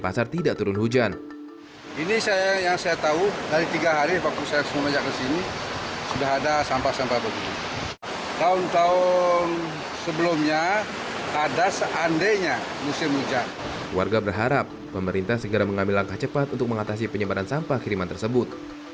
warga berharap pemerintah segera mengambil langkah cepat untuk mengatasi penyebaran sampah kiriman tersebut